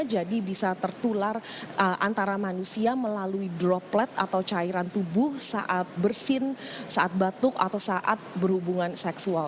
jadi bisa tertular antara manusia melalui droplet atau cairan tubuh saat bersin saat batuk atau saat berhubungan seksual